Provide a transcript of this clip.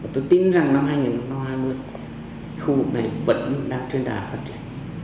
tôi tin rằng năm hai nghìn hai mươi khu vực này vẫn đang trên đà phát triển